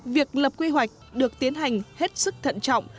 việc lập quy hoạch được tiến hành hết sức thận trọng